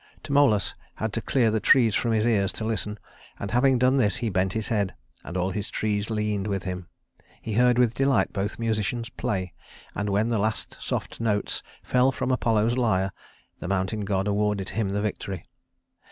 Tmolus had to clear the trees from his ears to listen; and having done this he bent his head, and all his trees leaned with him. He heard with delight both musicians play; and when the last soft notes fell from Apollo's lyre, the mountain god awarded him the victory.